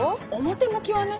表向きはね。